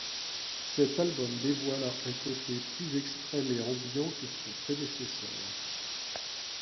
Cet album dévoila un côté plus extrême et ambiant que son prédécesseur.